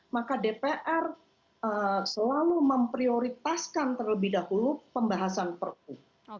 maka dpr selalu memprioritaskan terlebih dahulu pembahasan perpu